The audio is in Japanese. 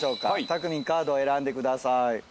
たくみんカードを選んでください。